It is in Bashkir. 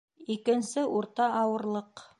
Икенсе урта ауырлыҡ